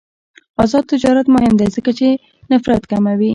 آزاد تجارت مهم دی ځکه چې نفرت کموي.